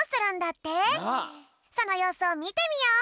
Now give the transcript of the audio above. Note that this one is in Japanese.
そのようすをみてみよう！